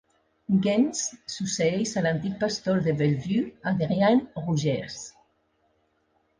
Gaines succeeix a l'antic pastor de Bellevue, Adrian Rogers.